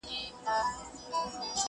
په هرځای کي چي مي کړې آشیانه ده!